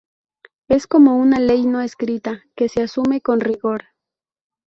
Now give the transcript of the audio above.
Es como una ley no escrita, que se asume con rigor.